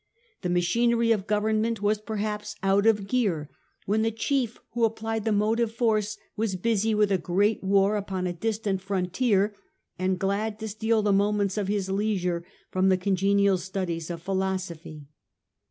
The machinery of government was perhaps out of gear when the chief who applied the motive force was busy with a great war upon a distant frontier, and glad to steal the moments of his leisure for the congenial studies of philo sophy.